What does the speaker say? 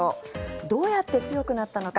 どうやって強くなったのか。